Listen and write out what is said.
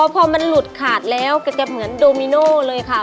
พอมันหลุดขาดแล้วก็จะเหมือนโดมิโน่เลยค่ะ